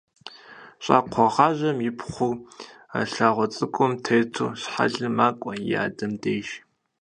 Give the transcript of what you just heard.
Щӏакхъуэгъажьэм и пхъур, лъагъуэ цӏыкӏум тету щхьэлым макӏуэ и адэм деж.